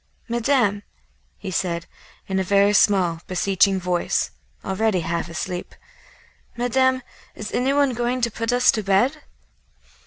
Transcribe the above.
"Madame," he said, in a very small, beseeching voice, already half asleep, "Madame, is anyone going to put us to bed?"